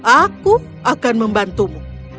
aku akan membantumu